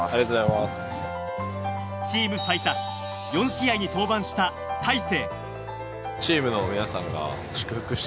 チーム最多４試合に登板した大勢。